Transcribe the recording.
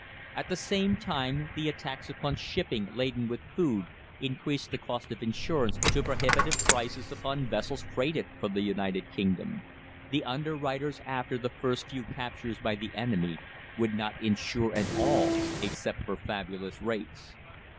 At the same time, the attacks upon shipping laden with food increased the cost of insurance to prohibitive prices upon vessels freighted for the United Kingdom. The underwriters after the first few captures by the enemy would not insure at all except for fabulous rates.